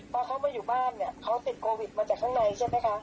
พอเขามาอยู่บ้านเนี่ยเขาติดโควิดมาจากข้างในใช่ไหมคะ